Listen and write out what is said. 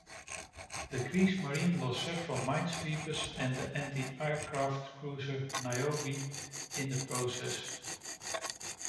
The "Kriegsmarine" lost several minesweepers and the anti-aircraft cruiser "Niobe" in the process.